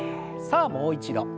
さあもう一度。